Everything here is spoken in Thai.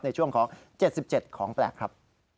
ในช่วงของ๗๗ของแปลกครับ